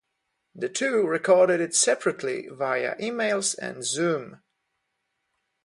The two recorded it separately via emails and Zoom.